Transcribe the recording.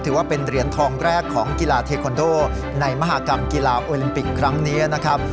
ถือว่าเป็นเหรียญทองแรกของกีฬาเทคอนโดในมหากรรมกีฬาโอลิมปิกครั้งนี้นะครับ